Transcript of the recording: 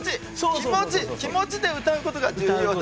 気持ち気持ちで歌うことが重要だ。